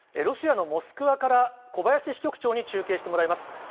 ロシアのモスクワから、小林支局長に中継してもらいます。